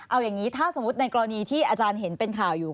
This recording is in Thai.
เอาอย่างนี้ถ้าสมมุติในกรณีที่อาจารย์เห็นเป็นข่าวอยู่